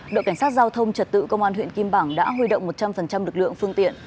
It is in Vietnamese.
đội cảnh sát giao thông trật tự công an huyện kim bảng đã huy động một trăm linh lực lượng phương tiện